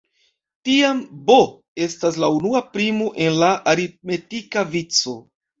Tiam "b" estas la unua primo en la aritmetika vico.